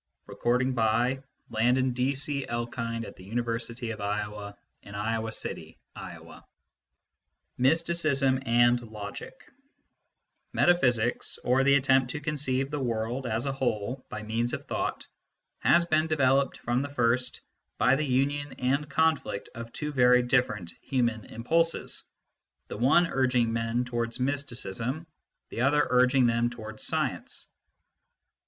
Knowledge by Acquaintance and Knowledge by Description 209 MYSTICISM AND LOGIC AND OTHER ESSAYS MYSTICISM AND LOGIC METAPHYSICS, or the attempt to conceive the world as a whole by means of thought, has been developed, from the first, by the union and conflict of two very different human impulses, the one urging men towards mysticism, the other urging them towards science.